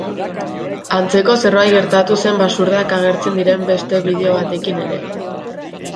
Antzeko zerbait gertatu zen basurdeak agertzen diren beste bideo batekin ere.